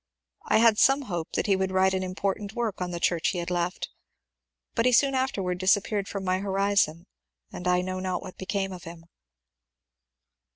I had some hope that he would write an important work on the church he had left, but he soon after disappeared from my horizon and I know not what became of him.